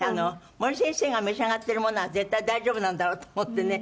森先生が召し上がってるものは絶対大丈夫なんだろうと思ってね